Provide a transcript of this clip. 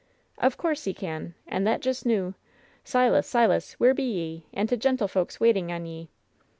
"Of coorse he can, and thet just noo. Silas, Silas, where be ye, and t' gentlefolks waiting on ye